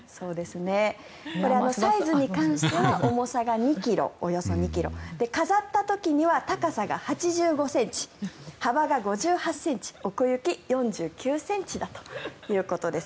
サイズに関しては重さがおよそ２ｋｇ飾った時には高さが８５ｃｍ幅が５８ｃｍ、奥行き４９ｃｍだということです。